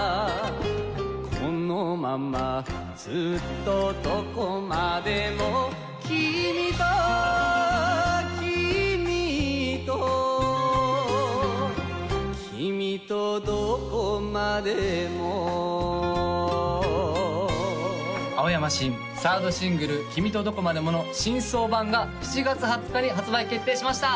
このままずっとどこまでも君と君と君とどこまでも青山新３ｒｄシングル「君とどこまでも」の「新！装盤」が７月２０日に発売決定しました！